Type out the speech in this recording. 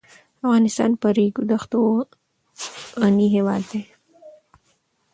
افغانستان په ریګ دښتو غني هېواد دی.